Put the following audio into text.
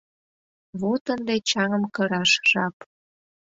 Вот ынде чаҥым кыраш жап!